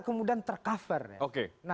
kemudian tercover oke